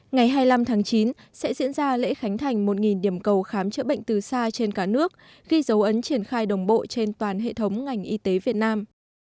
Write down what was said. ngày hai mươi năm tháng chín sẽ diễn ra lễ khánh thành một điểm cầu khám chữa bệnh từ xa trên cả nước ghi dấu ấn triển khai đồng bộ trên toàn hệ thống ngành y tế việt nam